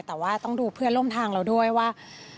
แต่ว่าต้องดูเพื่อนร่วมทางเราด้วยว่า